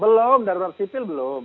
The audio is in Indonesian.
belum darurat sipil belum